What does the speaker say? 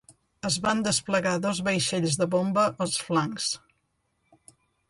Es van desplegar dos vaixells de bomba als flancs.